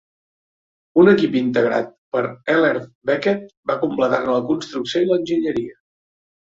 Un equip integrat per Ellerbe Becket va completar-ne la construcció i l'enginyeria.